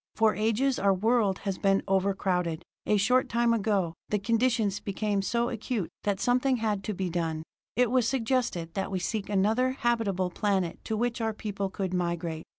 For ages our world has been overcrowded. A short time ago, the conditions became so acute that something had to be done. It was suggested that we seek another habitable planet to which our people could migrate.